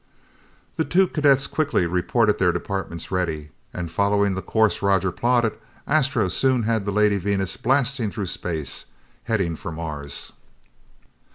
The two cadets quickly reported their departments ready, and following the course Roger plotted, Astro soon had the Lady Venus blasting through space, heading for Mars!